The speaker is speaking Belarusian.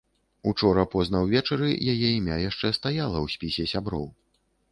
Учора позна ўвечары яе імя яшчэ стаяла ў спісе сяброў.